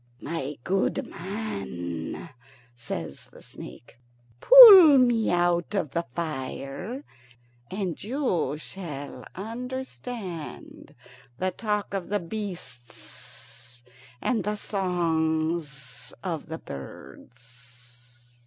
"My good man," says the snake, "pull me out of the fire, and you shall understand the talk of the beasts and the songs of the birds."